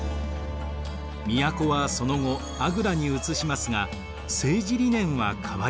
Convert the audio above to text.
都はその後アグラにうつしますが政治理念は変わりませんでした。